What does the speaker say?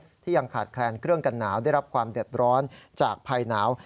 ที่ยังขาดแคลนเครื่องกันหนาวได้รับความเดือดร้อนจากภัยหนาว